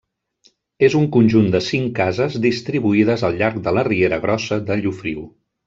És un conjunt de cinc cases distribuïdes al llarg de la riera grossa de Llofriu.